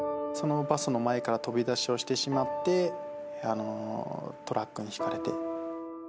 そのバスの前から飛び出しをしてしまって、トラックにひかれて。